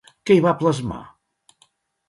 Què hi va plasmar?